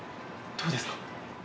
どうですか？